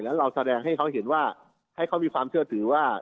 แล้วเราแสดงให้เขาเห็นว่าให้เขามีความเชื่อถือว่า